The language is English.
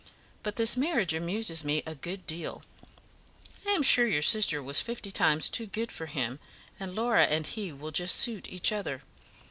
But this marriage amuses me a good deal. I'm sure your sister was fifty times too good for him, and Laura and he will just suit each other.